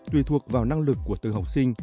tùy thuộc vào năng lực của từ học sinh